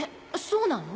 そうなの？